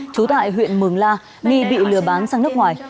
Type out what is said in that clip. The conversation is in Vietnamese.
trú tại huyện mường la nghi bị lừa bán sang nước ngoài